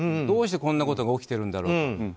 どうしてこんなことが起きているんだろう。